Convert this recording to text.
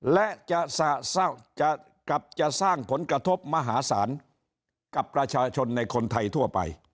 และจะกลับจะสร้างผลกระทบมหาศาลกับประชาชนในคนไทยทั่วไป